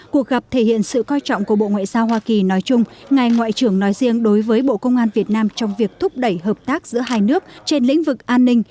cuộc gặp thể hiện sự coi trọng của bộ ngoại giao hoa kỳ nói chung ngài ngoại trưởng nói riêng đối với bộ công an việt nam trong việc thúc đẩy hợp tác giữa hai nước trên lĩnh vực an ninh